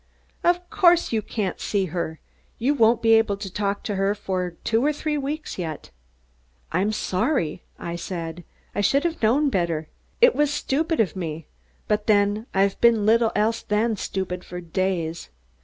Of course you can't see her! You won't be able to talk to her for two or three weeks yet." "I'm sorry," I said, "I should have known better. It was stupid of me, but then, I've been little else than stupid for days.